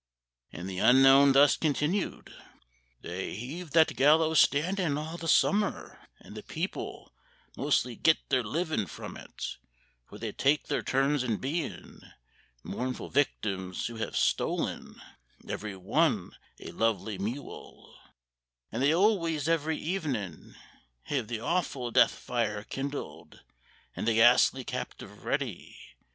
And the Unknown thus continued: "They hev hed that gallows standin' All the summer, and the people Mostly git ther livin' from it, For they take ther turns in bein' Mournful victims who hev stolen Every one a lovely mewel; And they always every evenin' Hev the awful death fire kindled, And the ghastly captive ready.